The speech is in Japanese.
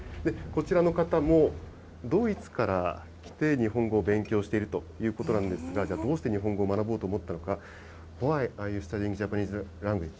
こちらの方もドイツから来て、日本語を勉強しているということなんですが、じゃあ、どうして日本語を学ぼうと思ったのか。